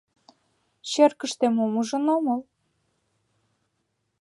— Черкыште мом ужын омыл?